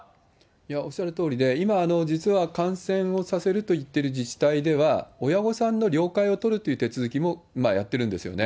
おっしゃるとおりで、今、実は観戦をさせると言ってる自治体では、親御さんの了解を取るっていう手続きもやってるんですよね。